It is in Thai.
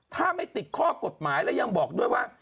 ถ้าไม่ติดข้อกฎหมายแล้วยังบอกด้วยว่า